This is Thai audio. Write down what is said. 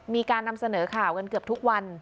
มีการนำเสนอข่าวกันเกือบทุกวัน